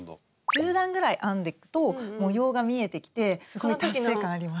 中段ぐらい編んでいくと模様が見えてきてすごい達成感あります。